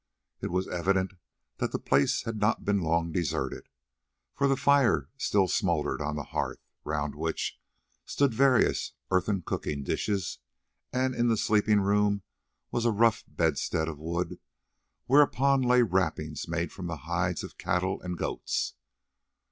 It was evident that the place had not been long deserted, for fire still smouldered on the hearth, round which stood various earthen cooking dishes, and in the sleeping room was a rough bedstead of wood whereon lay wrappings made from the hides of cattle and goats.